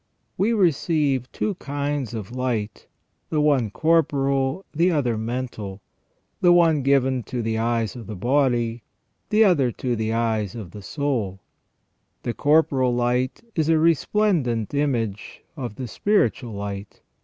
We receive two kinds of light, the one corporal, the other mental : the one given to the eyes of the body, the other to the eyes of the soul. The corporal light is a resplendent image of the spiritual light.